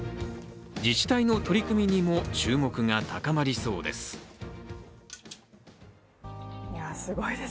自治体の取り組みにも注目が高まりそうです。